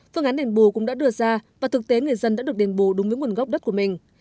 phương án đền bù cũng đã đưa ra và thực tế người dân đã được đền bù đúng với nguồn gốc đất của mình